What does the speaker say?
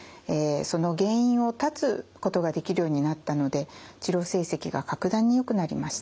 その原因を断つことができるようになったので治療成績が格段によくなりました。